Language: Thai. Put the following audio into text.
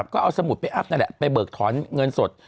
ก็เอาสมุดไปอัพนั่นแหละไปเบิกถอนเงินสด